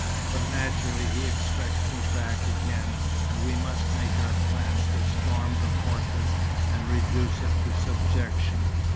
But naturally he expects me back again; and we must make our plans to storm the fortress and reduce it to subjection.